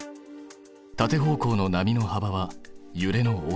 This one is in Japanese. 縦方向の波のはばはゆれの大きさ。